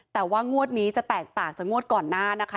แต่ว่างวดนี้จะแตกต่างจากงวดก่อนหน้านะคะ